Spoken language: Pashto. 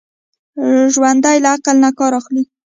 ژوندي له عقل نه کار اخلي